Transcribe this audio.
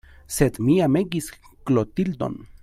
Sed mi amegis Klotildon.